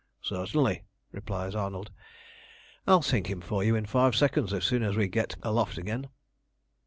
"Certainly," replies Arnold. "I'll sink him for you in five seconds as soon as we get aloft again."